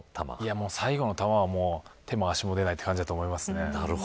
最後の球は手も足も出ない感じだと思います。